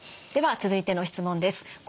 では続いての質問です。